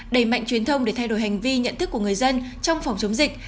đẩy mạnh truyền thông để thay đổi hành vi nhận thức của người dân trong phòng chống dịch